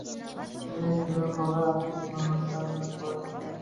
kerak bo‘lgan hollarda arxiv ma’lumotlari bilan solishtiradi.